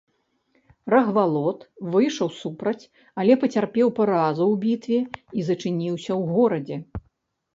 Рагвалод выйшаў супраць, але пацярпеў паразу ў бітве і зачыніўся ў горадзе.